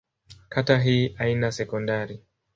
Kata hii haina sekondari.